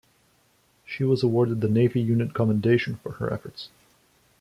She was awarded the Navy Unit Commendation for her efforts.